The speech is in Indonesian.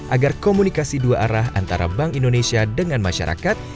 agar komunikasi dua arah antara bank indonesia dengan masyarakat